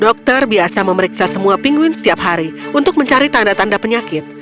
dokter biasa memeriksa semua pingguin setiap hari untuk mencari tanda tanda penyakit